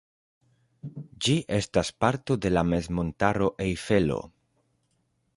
Ĝi estas parto de la mezmontaro Ejfelo.